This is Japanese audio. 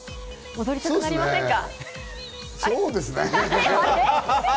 踊りたくなりませんか？